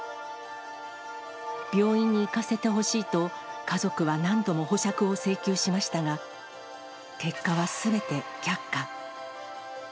病院に行かせてほしいと、家族は何度も保釈を請求しましたが、結果はすべて却下。